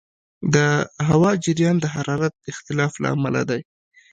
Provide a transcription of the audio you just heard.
د هوا جریان د حرارت اختلاف له امله دی.